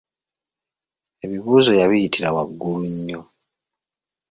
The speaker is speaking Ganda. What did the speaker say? Ebibuuzo yabiyitira waggulu nnyo.